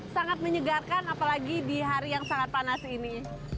sangat menyegarkan apalagi di hari yang sangat panas ini